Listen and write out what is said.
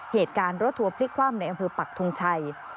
เหตุการณ์รถทัวร์พลิกคว่ำในอำเภอปักทงชัย